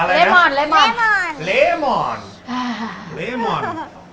อะไรนะเลมอนเลมอนเลมอน